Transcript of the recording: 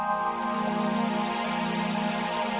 gue kagak minta semuanya